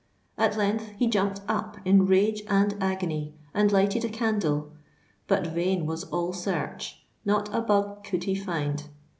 At length he jumped up in rage and agony, and lighted a candle. But vain was all search: not a bug could he find.